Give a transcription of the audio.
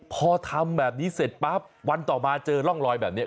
พอทำแบบนี้เสร็จปั๊บวันต่อมาเจอร่องรอยแบบนี้